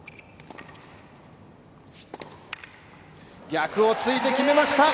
逆を突いて決めました。